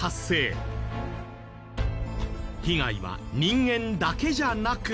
被害は人間だけじゃなく。